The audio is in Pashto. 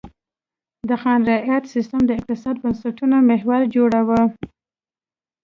د خان رعیت سیستم د اقتصادي بنسټونو محور جوړاوه.